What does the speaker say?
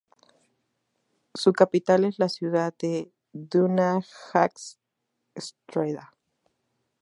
Su capital es la ciudad de Dunajská Streda.